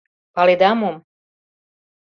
Паледа мом?